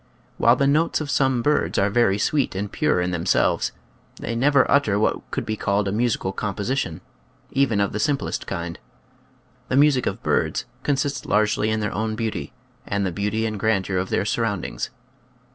While the notes of some birds are very sweet and pure in themselves, they never utter what could be called a musical composition, even of the simplest kind. The music of birds consists largely in their own beauty and the beauty and grandeur of their surroundings.